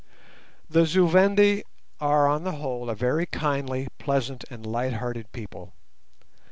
The Zu Vendi are on the whole a very kindly, pleasant, and light hearted people.